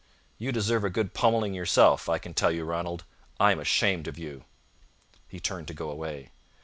You deserve a good pommelling yourself, I can tell you, Ranald. I'm ashamed of you." He turned to go away.